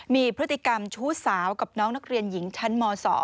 มีพฤติกรรมชู้สาวกับน้องนักเรียนหญิงชั้นม๒